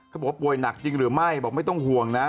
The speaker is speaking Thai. เขาบอกว่าป่วยหนักจริงหรือไม่บอกไม่ต้องห่วงนะ